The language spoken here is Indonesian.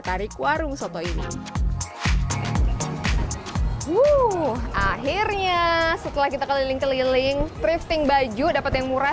tarik warung soto ini uu akhirnya setelah kita keliling keliling drifting baju dapat yang murah